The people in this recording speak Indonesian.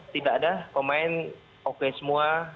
tidak ada pemain oke semua